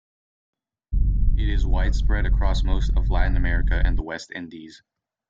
It is widespread across most of Latin America and the West Indies.